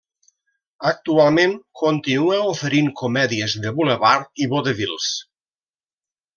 Actualment continua oferint comèdies de bulevard i vodevils.